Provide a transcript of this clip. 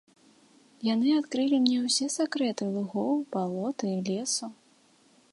Яны адкрылі мне ўсе сакрэты лугоў, балота і лесу.